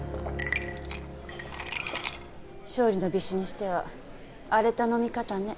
勝利の美酒にしては荒れた飲み方ね。